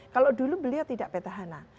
kalau dulu beliau tidak petahana